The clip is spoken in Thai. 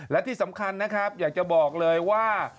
และที่สำคัญนะครับอยากจะบอกเลยว่า